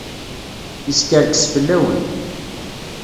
Yeskerkes fell-awen.